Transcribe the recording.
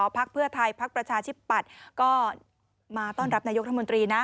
พักเพื่อไทยพักประชาธิปัตย์ก็มาต้อนรับนายกรัฐมนตรีนะ